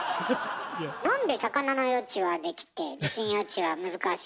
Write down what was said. なんで魚の予知はできて地震予知は難しいの？